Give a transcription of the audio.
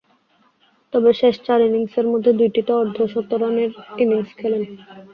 তবে, শেষ চার ইনিংসের মধ্যে দুইটিতে অর্ধ-শতরানের ইনিংস খেলেন।